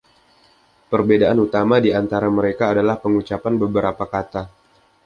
Perbedaan utama di antara mereka adalah pengucapan beberapa kata.